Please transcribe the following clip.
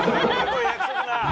約束な。